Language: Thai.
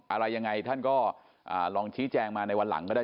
อะไรยังไงท่านก็ลองชี้แจงมาในวันหลังก็ได้